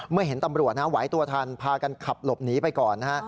เมื่อเห็นตำรวจไหว้ตัวทันพากันขับหลบหนีไปก่อน